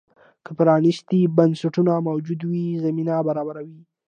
که پرانیستي بنسټونه موجود وي، زمینه برابروي.